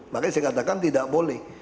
makanya saya katakan tidak boleh